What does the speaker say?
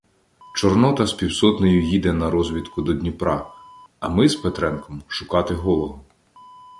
Чорнота з півсотнею їде на розвідку до Дніпра, а ми з Петренком — шукати Голого.